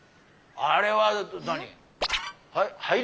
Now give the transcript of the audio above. あれは何？